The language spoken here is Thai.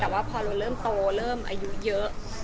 แต่ว่าพอเราเริ่มโตเริ่มอายุเยอะ